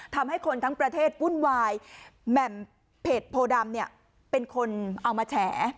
ทำให้คนทั้งประเทศวุ่นวายแหม่มเป็นคนเอามาแฉ